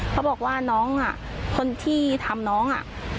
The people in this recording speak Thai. เขาบอกว่าน้องคนที่ทำน้อง